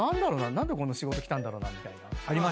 何でこの仕事きたんだろうな？みたいな。